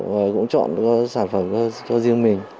và cũng chọn sản phẩm cho riêng mình